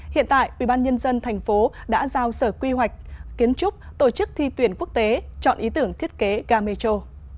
hiện tại ubnd tp hcm đã giao sở quy hoạch kiến trúc tổ chức thi tuyển quốc tế chọn ý tưởng thiết kế ga metro